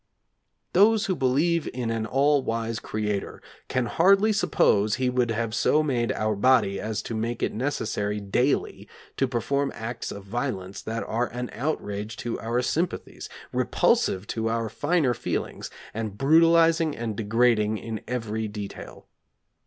Those who believe in an all wise Creator can hardly suppose He would have so made our body as to make it necessary daily to perform acts of violence that are an outrage to our sympathies, repulsive to our finer feelings, and brutalising and degrading in every detail.